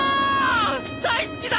大好きだ！